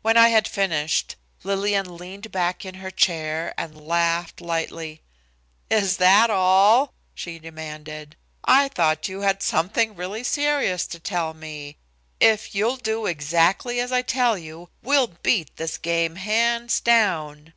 When I had finished Lillian leaned back in her chair and laughed lightly. "Is that all?" she demanded. "I thought you had something really serious to tell me. If you'll do exactly as I tell you we'll beat this game hands down."